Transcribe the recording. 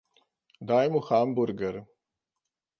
Daj mu hamburger.